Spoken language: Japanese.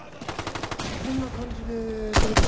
こんな感じでどうでしょうか？